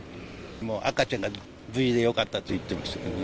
もう赤ちゃんが無事でよかったと言ってましたけどね。